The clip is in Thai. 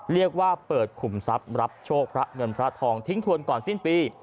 เรียกว่าเปิดขุมทรัพย์รับโชคพระเงินพระทองทิ้งทวนก่อนสิ้นปี